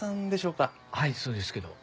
はいそうですけど。